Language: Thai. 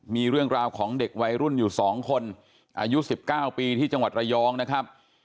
มีเรื่องราวของเด็กวัยรุ่นอยู่๒คนอายุ๑๙ปีที่จังหวัดระยองนะครับ